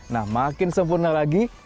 nah makin sempurna lagi